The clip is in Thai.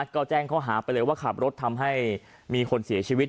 ก็แจ้งข้อหาไปเลยว่าขับรถทำให้มีคนเสียชีวิต